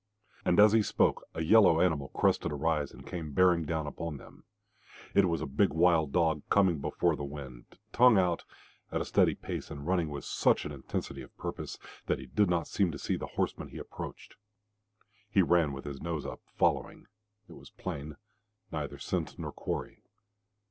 And as he spoke a yellow animal crested a rise and came bearing down upon them. It was a big wild dog, coming before the wind, tongue out, at a steady pace, and running with such an intensity of purpose that he did not seem to see the horsemen he approached. He ran with his nose up, following, it was plain, neither scent nor quarry.